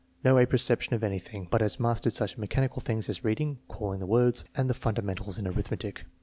"No apperception of anything, but has mastered such mechanical tilings as reading (calling the words) and the fundamentals in arithmetic."